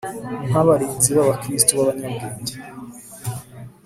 nk'abarinzi b'abakristo b'abanyabwenge